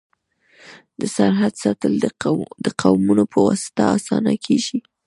د سرحد ساتل د قومونو په واسطه اسانه کيږي.